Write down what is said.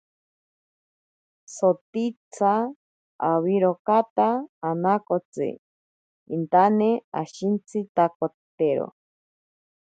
Sotitsa owirakotaka anaakotsi intane ashintsitakotero.